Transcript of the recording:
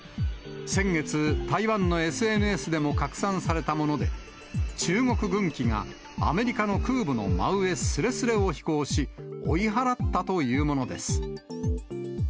先月、台湾のＳＮＳでも拡散されたもので、中国軍機がアメリカの空母の真上すれすれを飛行し、追い払ったというものです。